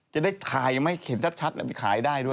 จะได้ถ่ายไม่เห็นชัดแล้วไปขายได้ด้วย